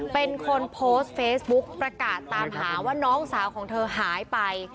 เป็นคนโพสต์เฟซบุ๊กประกาศตามหาว่าน้องสาวของเธอหายไป